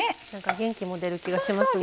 元気も出る気がしますね。